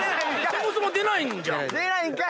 そもそも出ないんじゃん！